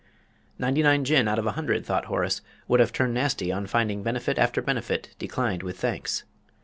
"Ninety nine Jinn out of a hundred," thought Horace, "would have turned nasty on finding benefit after benefit 'declined with thanks.'